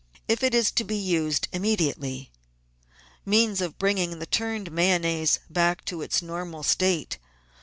if it is to be used immediately. Means of Bringing Turned Mayonnaise Back to its Normal State.